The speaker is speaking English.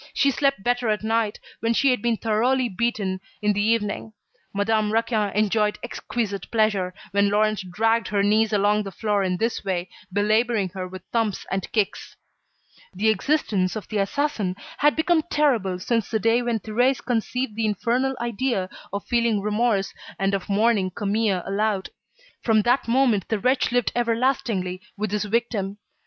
She slept better at night when she had been thoroughly beaten in the evening. Madame Raquin enjoyed exquisite pleasure, when Laurent dragged her niece along the floor in this way, belabouring her with thumps and kicks. The existence of the assassin had become terrible since the day when Thérèse conceived the infernal idea of feeling remorse and of mourning Camille aloud. From that moment the wretch lived everlastingly with his victim.